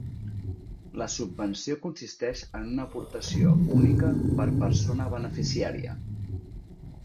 La subvenció consisteix en una aportació única per persona beneficiària.